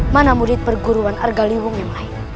mana murid perguruan argaliwung yang lain